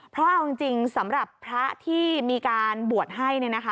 เพราะเอาจริงสำหรับพระที่มีการบวชให้